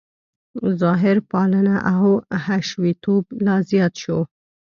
ظاهرپالنه او حشویتوب لا زیات شو.